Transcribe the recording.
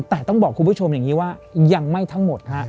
แต่ต้องบอกคุณผู้ชมอย่างนี้ว่ายังไม่ทั้งหมดฮะ